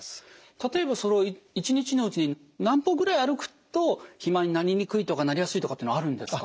例えば一日のうちに何歩ぐらい歩くと肥満になりにくいとかなりやすいとかってあるんですか？